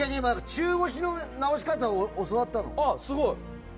中腰の直し方を教わったの。